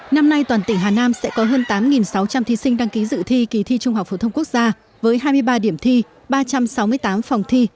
năm nay toàn tỉnh hà nam sẽ có hơn tám sáu trăm linh thí sinh đăng ký dự thi kỳ thi trung học phổ thông quốc gia với hai mươi ba điểm thi ba trăm sáu mươi tám phòng thi